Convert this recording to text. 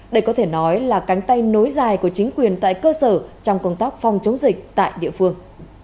đây có thể nói là cánh tay nối dài của chính quyền tại cơ sở trong công tác phòng chống dịch tại địa phương